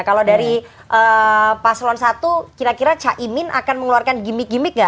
kalau dari paslon satu kira kira caimin akan mengeluarkan gimmick gimmick gak